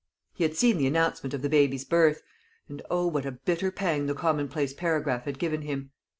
He had seen the announcement of the baby's birth, and oh, what a bitter pang the commonplace paragraph had given him!